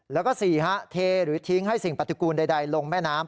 แล้วก็๔เทหรือทิ้งให้สิ่งปฏิกูลใดลงแม่น้ำ